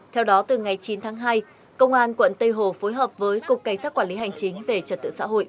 theo đó từ ngày chín tháng hai công an quận tây hồ phối hợp với cục cảnh sát quản lý hành chính về trật tự xã hội